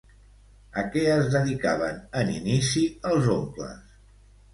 A què es dedicaven en inici els oncles?